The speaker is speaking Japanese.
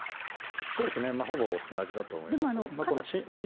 そうですね、ほぼ同じだと思います。